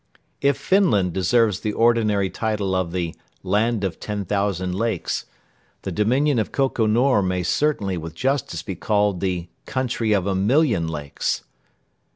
If Finland deserves the ordinary title of the "Land of Ten Thousand Lakes," the dominion of Koko Nor may certainly with justice be called the "Country of a Million Lakes."